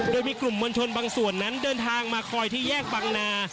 โดยมีกลุ่มมวลชนบางส่วนนั้นเดินทางมาคอยที่แยกบังนา